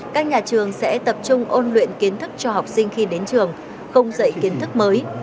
các nhà trường sẽ tập trung ôn luyện kiến thức cho học sinh khi đến trường không dạy kiến thức mới